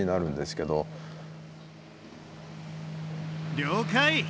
了解。